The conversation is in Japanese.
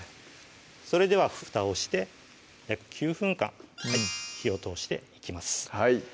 それでは蓋をして約９分間火を通していきます